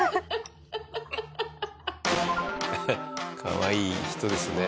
かわいい人ですね。